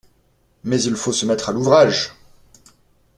Mais il faut se mettre à l’ouvrage!